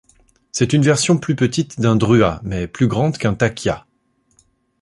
C'est une version plus petite d'un drua, mais plus grand qu'un takia.